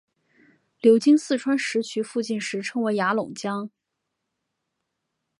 流经四川石渠附近时称为雅砻江。